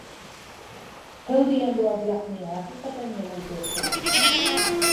— پىل دېگەن بۇ ئەبلەخنى ھەقىقەتەن يامان كۆرۈپ قېلىۋاتىمەن.